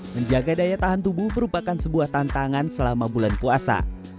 menjaga daya tahan tubuh merupakan sebuah tantangan selama bulan puasa